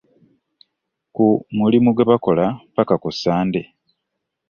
Ku mulimu gwe bakola ppaka ku Ssande.